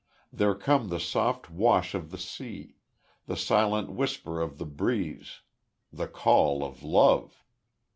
There come the soft wash of the sea the silent whisper of the breeze the call of Love!"